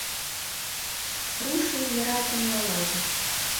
Рушын йӧратыме олаже.